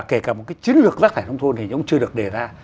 kể cả một cái chiến lược rác thải nông thôn thì cũng chưa được đề ra